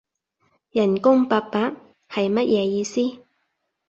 人工八百？係乜嘢意思？